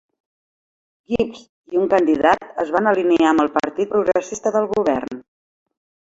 Gibbs i un candidat es van alinear amb el partit progressista del govern.